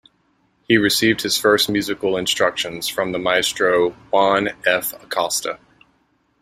He received his first musical instructions from the maestro Juan F. Acosta.